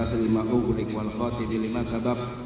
terima u ulik wal khotibil lima sabab